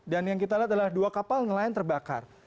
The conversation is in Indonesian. dan yang kita lihat adalah dua kapal nelayan terbakar